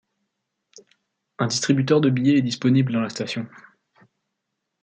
Un distributeur de billets est disponible dans la station.